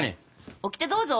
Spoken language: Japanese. オキテどうぞ。